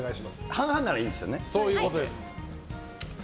半々ならいいんですよね。